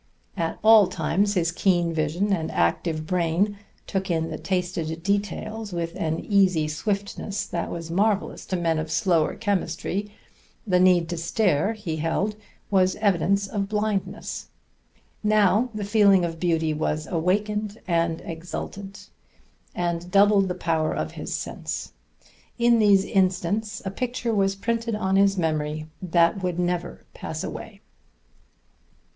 At all times his keen vision and active brain took in and tasted details with an easy swiftness that was marvelous to men of slower chemistry; the need to stare, he held, was evidence of blindness. Now the feeling of beauty was awakened and exultant, and doubled the power of his sense. In these instants a picture was printed on his memory that would never pass away.